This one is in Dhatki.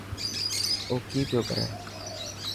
اوڪي پيو ڪري.